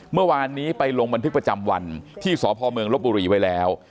เมื่อวานนี้ไปลงบันทึกประจำวันที่สพเมืองลบบุรีไว้แล้ว